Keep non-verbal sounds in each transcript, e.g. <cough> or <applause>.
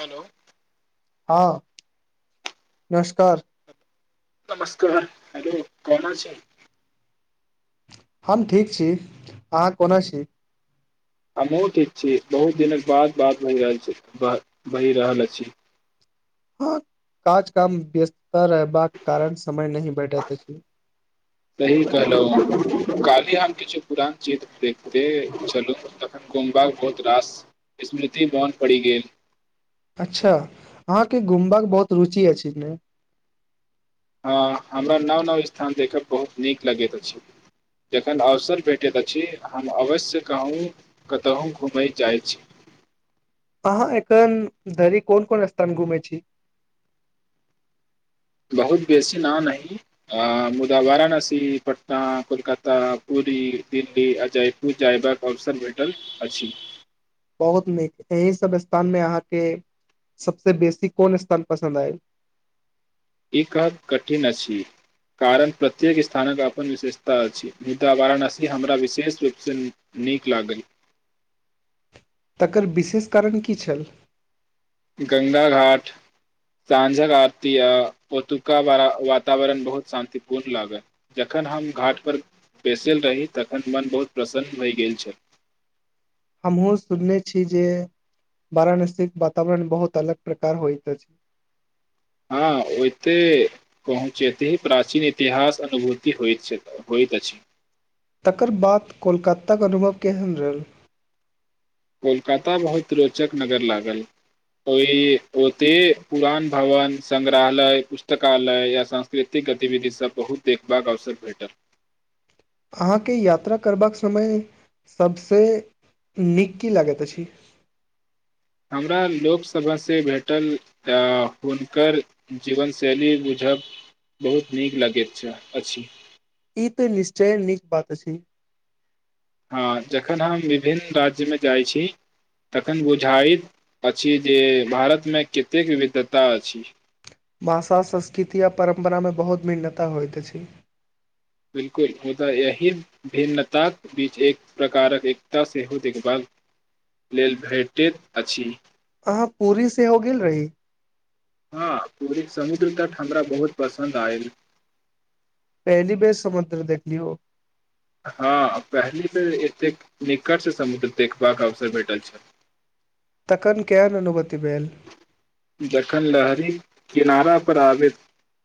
hello हँ नमस्कार नमस्कार हेलो कोन अछि हम ठीक छी अहाँ कोना छी हमहुूँ ठीक छी बहुत दिनक बाद बात बहि रहल छै बहि रहल अछि हँ काज काम बेस तऽ बाग कारण समय नहि भेटैत अछि सही कहलहुँ काल्हि हम किछु पुरान चित्र देखते छलहुँ तखन गोमबा बहुत रास स्मृति मोन पड़ि गेल अच्छा अहाँके घुमबाक बहुत रुचि अछि ने हँ हमरा नव नव स्थान देखय बहुत नीक लगैत अछि जखन अवसर भेटैत अछि हम अवश्य कहूँ कतहुँ घूमय जाइत छी अहाँ एखन धरि कोन कोन स्थान घुमै छी बहुत बेसी न नही आ मुदा वाराणसी पटना कोलकाता पूरी दिल्ली अ जयपुर जायबक अवसर भेटल अछि बहुत नीक एहि सभ स्थानमे अहाँके सभसँ बेसी कोन स्थान पसन्द आयल ई कहब कठिन अछि कारण प्रत्येक स्थानक अपन विशेषता अछि मुदा वाराणसी हमरा विशेष रूपसँ नीक लागल तकर विशेष कारण की छल गङ्गा घाट साँझक आरती आ ओतुका ब वातावरण बहुत शान्तिपूर्ण लागल जखन हम घाट पर बैसल रही तखन मन बहुत प्रसन्न भय गेल छै हमहुँ सुनने छी जे वाराणसीके वातावरण बहुत अलग प्रकार होइत अछि हँ ओते पहुँचते ही प्राचीन इतिहास अनुभूति हो होइत अछि तकर बाद कोलकाताक अनुभव केहनरल कोलकाता बहुत रोचक नगर लागल ओहि ओते पुरान भवन संग्रहालय पुस्तकालय या सांस्कृतिक गतिविधिसभ बहुत देखबाक अवसर भेटल अहाँके यात्रा करबाक समय सभसँ नीक की लागैत अछि हमरा लोकसभासँ भेटल हुनकर जीवन शैली बुझब बहुत नीक लगैत अछि ई तऽ निश्चय नीक बात अछि हँ जखन हम विभिन्न राज्यमे जाइ छी तखन बुझाइत अछि जे भारतमे कतेक विविधता अछि भाषा संस्कृति आ परम्परामे बहुत भिन्नता होइत अछि बिलकुल मुदा एहि भिन्नताक बीच एक प्रकारक एकता सेहो देखभाल लेल भेटैत अछि अहाँ पुरी सेहो गेल रही हँ पूरी समुद्र तट हमरा बहुत पसन्द आयल पहली बेर समुद्र देखलियो हँ पहिले बेर एतेक निकटसँ समुद्र देखबाक अवसर भेटल छल तखन केहन अनुभूति भेल जखन लहरी किनारा पर आबैत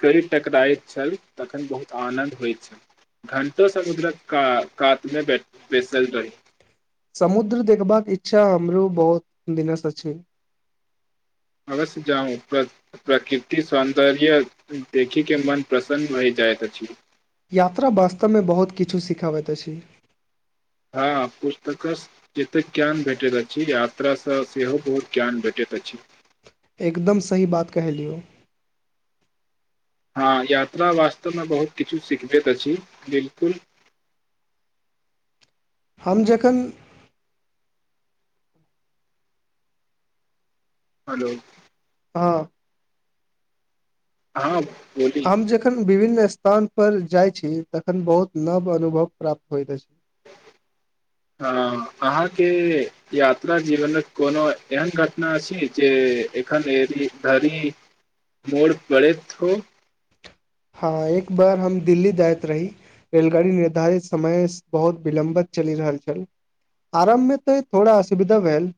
करी टकराइत छल तखन बहुत आनन्द होइत छल घंटो समुद्रक का कातमे ब बैसल रही समुद्र देखबाक इच्छा हमरो बहुत दिनसँ छै अवश्य जाउ प्रकृति सौन्दर्य देखिके मन प्रसन्न भय जाइत अछि यात्रा वास्तवमे बहुत किछु सिखाबैत अछि हँ पुस्तकसँ जतेक ज्ञान भेटैत अछि यात्रासँ सेहो बहुत ज्ञान भेटैत अछि एकदम सही बात कहलियै हँ यात्रा वास्तवमे बहुत किछु सिखबैत अछि बिलकुल हम जखन हेलो हँ हँ बोली हम जेखन विभन्न स्थान पर जाय छी तखन बहुत नव अनुभव प्राप्त होयत अछि हँ अहाँके यात्रा जीवनक कोनो एहन घटना अछि जे एखन धरि मोन पड़ैत हो हँ एक बार हम दिल्ली जाइत रही रेलगाड़ी निर्धारित समयसं बहुत विलम्बत चलि रहल छल आरम्भमे तऽ थोड़ा असुविधा भेल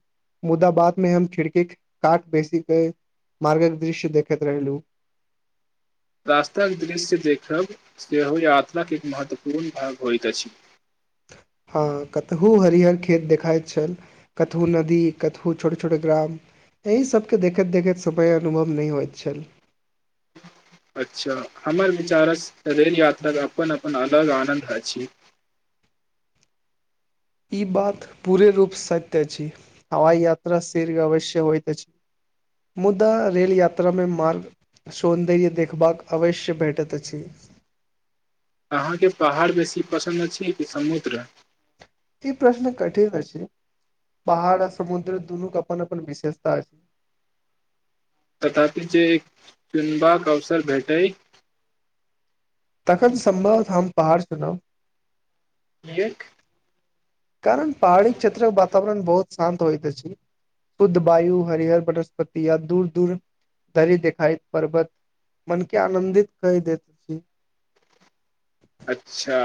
मुदा बादमे हम खिड़कीक कात बेसी क' मार्गक दृश्य देखैत रहलहुँ रास्ताक दृश्य देखब सेहो यात्राके एक महत्वपूर्ण भाग होइत अछि हँ कतहु हरिहर खेत देखाइत छल कतहु नदी कतहु छोट छोट ग्राम एहि सभके देखैत देखैत समय अनुभव नहि होइत छल अच्छा हमर विचारसँ रेल यात्राक अपन अपन अलग आनन्द अछि ई बात पूरे रूप सत्य अछि हवाई यात्रा शीघ्र अवश्य होइत अछि मुदा रेल यात्रामे मार्ग सौन्दर्य देखबाक अवश्य भेटत अछि अहाँके पहाड़ बेसी पसन्द अछि की समुद्र ई प्रश्न कठिन अछि पहाड़ आ समुद्र दुनूक अपन अपन विशेषता तथापि जे एक चुनबाक अवसर भेटैत तखन सम्भव हम पहाड़ चुनब एक कारण पहाड़ी क्षेत्रक वातावरण बहुत शान्त होइत अछि शुद्ध वायु हरिहर वनस्पति या दूर दूर धरि देखाईत पर्वत मनके आनन्दित कए दैत छी अच्छा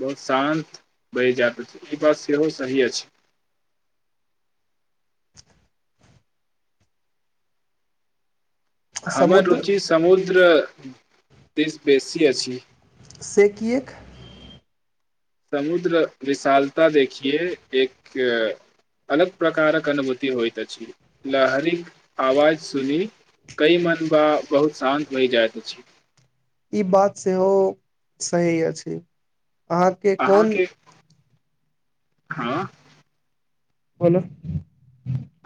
बहुत शान्त बहि जात अछि ई बात सेहो सही अछि हमर समुद्र रुचि समूद द्र देश बेसी अछि से किएक समुद्र विशालता देखिये एक अलग प्रकारक अनुभूति होइत अछि लहरीक आवाज सुनी कई मन बा बहुत शान्त भयी जाइत अछि ई बात सेहो सही अछि अहाँके कोन अहाँके हँ बोलू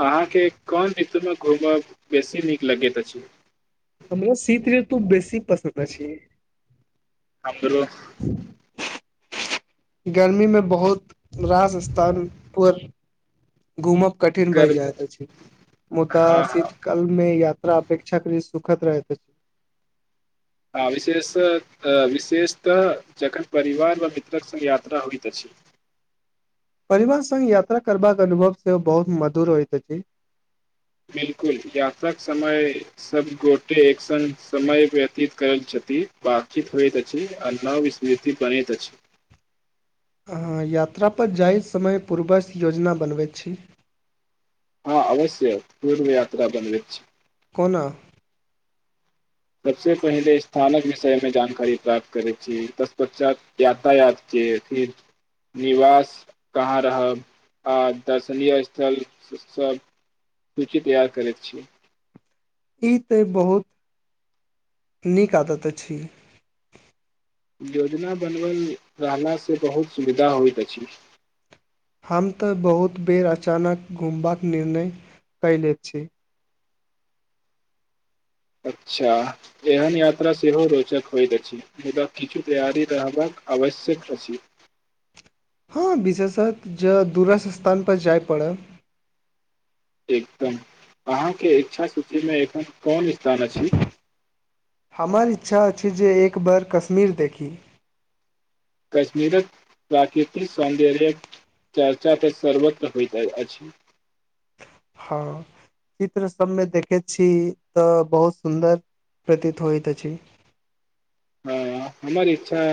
अहाँके कोन रीतुमे घूमब बेसी नीक लगैत अछि हमरा शीत ऋतु बेसी पसन्द अछि हमरो गर्मीमे बहुत रास घूमब कठिन भय गर जाइत अछि मुदा हँ हँ शीत कालमे यात्रा अपेक्षाकरी सुखद रहैत अछि आ विशेष विशेषतः जखन परिवार व मित्रक संग यात्रा होइत अछि परिवार सङ्ग यात्रा करबाक अनुभव सेहो बहुत मधुर होइत अछि बिल्कुल यात्राक समय सभगोटे एक सङ्ग समय व्यतीत करैत छथि बातचीत होइत अछि आ नव अहाँ यात्रापर जाहि समय पूर्वज्त योजना बनबैत छी हँ अवश्य पूर्व यात्रा बनबैत छि कोना सबस पहिले स्थानक विषयमे जानकारी प्राप्त करैत छी ततपश्चात यातायात के फिर निवास कहाँ रहब आ दर्शनीय स्थल सब सूची तैयार करैत छी ई तऽ बहुत नीक आदत अछि योजना बनओल रहलाँ से बहुत सुविधा होइत अछि हम तऽ बहुत बेर अचानक घुमबाक निर्णय कयले छी अच्छा एहन यात्रा सेहो रोचक होइत अछि मुदा किछु तैयारी रहबाक आवश्यक अछि हँ विशेषत ज दूरस् स्थानपर जाय पड़य एकदम अहाँके इच्छा सूचीमे एखन कोन स्थान अछि हमार इच्छा अछि जे एक बार कश्मीर देखी कश्मीरक प्राकृतिक सौन्दर्य चर्चा तऽ सर्वत्र होइत अछि हँ चित्र सबमे देखैत छी तऽ बहुत सुन्दर प्रतीत होइत अछि हँ हमर इच्छा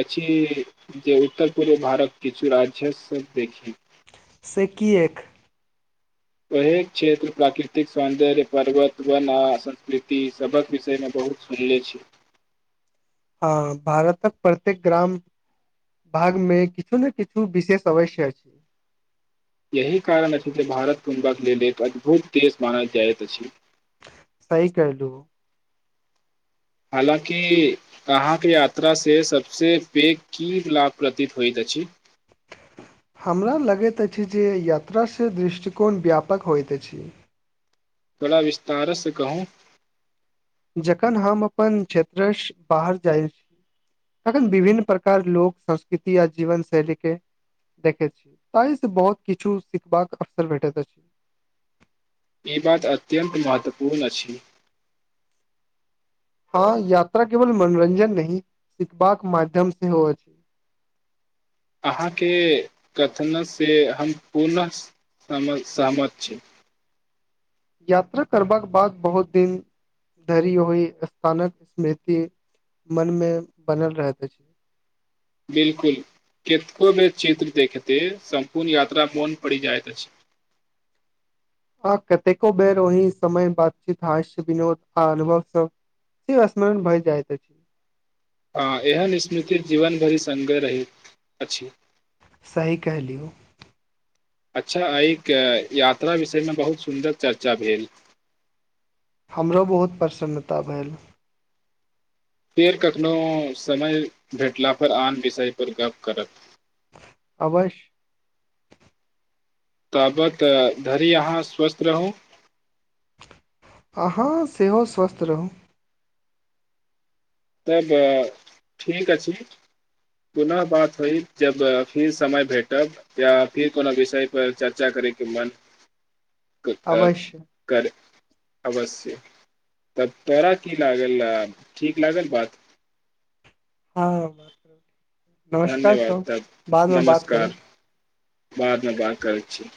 अछि जे उत्तर पूर्व भारत किछु राज्य सभ देखी से कि एक ओह क्षेत्र प्राकृतिक सौन्दर्य पर्वत वना आ संस्कृति सभक विषयमे बहुत सुनले छी हँ भारतक प्रत्येक ग्राम भागमे किछु ने किछु विशेष अवश्य अछि यही कारण अछि जे भारत कुं्बाक लेल एक अद्भुत देश मानल जाइत अछि सही करलू हालाँकि अहाँके यात्रा से सबस पैघ की लाभ प्रतीत होइत अछि हमरा लगैत अछि जे यात्रासँ दृष्टिकोण व्यापक होइत अछि बड़ा विस्तारसँ कहू जखन हम अपन क्षेत्रसँ बाहर जाइत छी तखन विभिन्न प्रकार लोक संस्कृति आ जीवन शैलीक के देखैत छी ताहिसँ बहुत किछु सिखबाक अवसर भेटैत अछि ई बात अत्यन्त महत्वपूर्ण अछि हँ यात्रा केवल मनोरंजन नहिं सिखबाक माध्यम से होअ छै अहाँके कथनसँ हम पुनः सहमत छी यात्रा करबाक बाद बहुत दिन धरि ओहहि स्थानक स्मृति मनमे बनल रहैत अछि बिलकुल कतको बेर चित्र देखते सम्पूर्ण यात्रा मोन पड़ि जाइत अछि आ कतेको बेर ओहि समय बातचीत हास्य विनोोद आ अनुभव सब सेि स्मरण भए जाइत अछि हँ एहन स्मृति जीवन भरि सङ्गे रहैत अछि सही कहहि लियौ अच्छा एक यात्रा विषयमे बहुत सुन्दर चर्चा भेल हमरो बहुत प्रसन्नता भेल फेर कखनोहु समय भेटलापर आन विषयपर गप्प करत अवश ताबत धरि अहाँ स्वस्थ रहू अहाँ सेहो स्वस्थ रहू तब ठीक अछि पुनः बात होय जब फिर समय भेटब या फिर कोनो विषयपर चर्चा करयके मन क आ अवश्य कर <inaudible> अवश्य तब तोरा की लागल ठीक लागल बात <inaudible> नमस्कार धन्यवाद त तब बादमे बात करे नमस्कार बादमे बाद करै छी